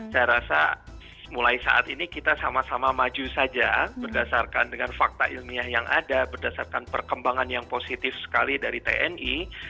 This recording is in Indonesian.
saya rasa mulai saat ini kita sama sama maju saja berdasarkan dengan fakta ilmiah yang ada berdasarkan perkembangan yang positif sekali dari tni